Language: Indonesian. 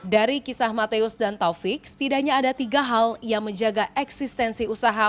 dari kisah mateus dan taufik setidaknya ada tiga hal yang menjaga eksistensi usaha